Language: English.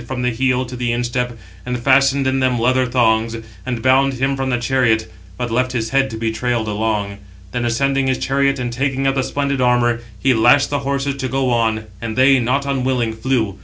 He perforated the tendons of both his feet behind, from the heel to the instep, and fastened in them leather thongs, and bound him from the chariot; but left his head to be trailed along. Then ascending his chariot, and taking up the splendid armour, he lashed (the horses) to go on, and they, not unwilling, flew.